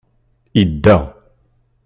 Idda.